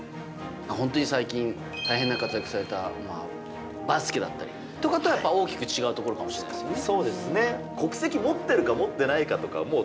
本当に最近、大変な活躍されたバスケだったりとかは大きく違うところかもしれないですね。